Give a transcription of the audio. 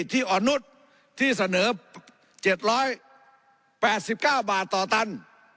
ที่อ่อนนุษย์ที่เสนอ๗๘๙บาทต่อตัน